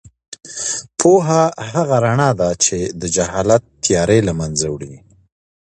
پوهه هغه رڼا ده چې د جهالت تیارې له منځه وړي.